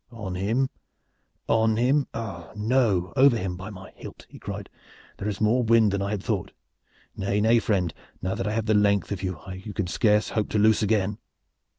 "On him, on him! No, over him, by my hilt!" he cried. "There is more wind than I had thought. Nay, nay, friend, now that I have the length of you, you can scarce hope to loose again."